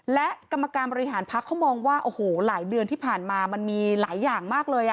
และกรรมการบริหารพักเขามองว่าโอ้โหหลายเดือนที่ผ่านมามันมีหลายอย่างมากเลย